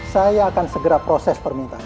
saya akan segera proses permintaan